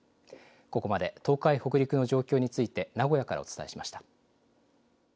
ここまで東海、北陸の状況について、名古屋からお伝えしました。